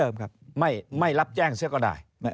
ไม่รับแจ้งเชื่อก็ได้